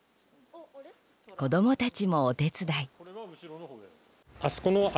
子供たちもお手伝い。